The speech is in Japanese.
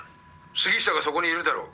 杉下がそこにいるだろう？」